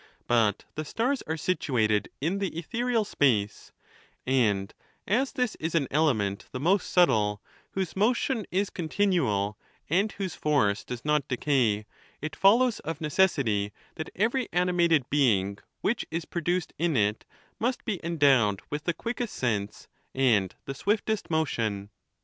But the stars are situated in the ethereal space ; and as this is an element the most subtle, whose motion is contin ual, and whose force does not decay, it follows, of necessity, that every animated being which is produced in it must be endowed with the quickest sense and the swiftest motion.